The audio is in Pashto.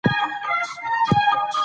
میکا سټیفنز سوریایي ملګری هم لري.